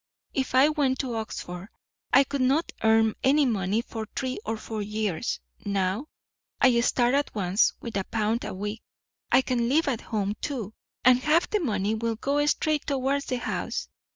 If I went to Oxford I could not earn any money for three or four years; now I start at once with a pound a week. I can live at home, too, and half the money will go straight towards the house.